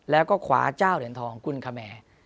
แล้วก็ขวาเจ้าเหรียญทองกุลคแม